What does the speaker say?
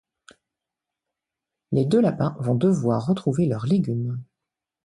Les deux lapins vont devoir retrouver leurs légumes.